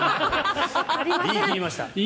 言い切りました。